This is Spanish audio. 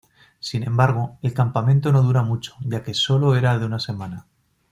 Sin embargo, el campamento no dura mucho, ya que sólo era de una semana.